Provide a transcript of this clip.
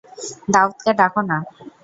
দাউদকে ডাক না।